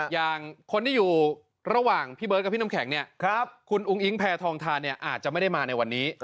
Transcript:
อย่างคนที่อยู่ระหว่างพี่เบิร์ตกับพี่น้ำแข็งเนี่ยคุณอุ้งอิ๊งแพทองทานเนี่ยอาจจะไม่ได้มาในวันนี้